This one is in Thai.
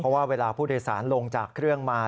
เพราะว่าเวลาผู้โดยสารลงจากเครื่องมา